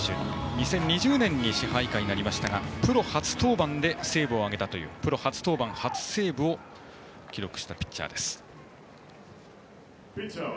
２０２０年に支配下になりましたがプロ初登板でセーブを挙げたというプロ初登板初セーブを記録したピッチャー。